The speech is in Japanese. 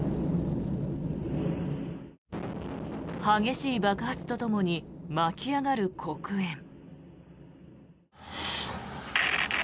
激しい爆発とともに巻き上がる黒煙。